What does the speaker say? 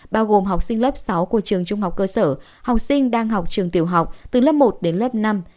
bao gồm học sinh lớp sáu của trường trung học cơ sở học sinh đang học trường tiểu học từ lớp một đến lớp năm